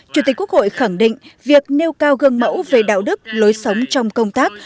chủ tịch quốc hội khẳng định việc nêu cao gương mẫu về đạo đức lối sống trong công tác